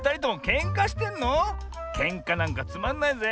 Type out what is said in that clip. けんかなんかつまんないぜ。